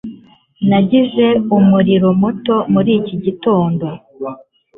Nagize umuriro muto muri iki gitondo.